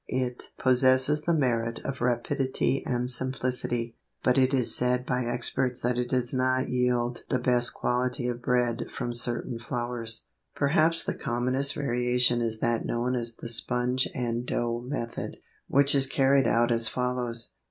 It possesses the merit of rapidity and simplicity, but it is said by experts that it does not yield the best quality of bread from certain flours. Perhaps the commonest variation is that known as the sponge and dough method, which is carried out as follows.